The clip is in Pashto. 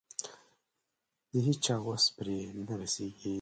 د هيچا وس پرې نه رسېږي.